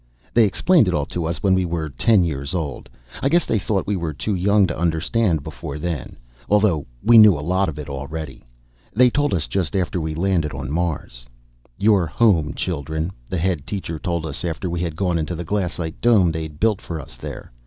They explained it all to us when we were ten years old; I guess they thought we were too young to understand before then, although we knew a lot of it already. They told us just after we landed on Mars. "You're home, children," the Head Teacher told us after we had gone into the glassite dome they'd built for us there.